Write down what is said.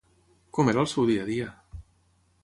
Com era el seu dia a dia?